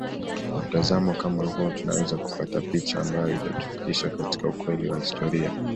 Kwa mtazamo kama huo tunaweza kupata picha ambayo itatufikisha katika ukweli wa historia